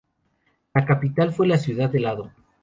La capital fue la ciudad de Lado.